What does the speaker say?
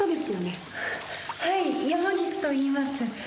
はい山岸といいます。